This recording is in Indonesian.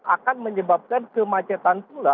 akan menyebabkan kemacetan pula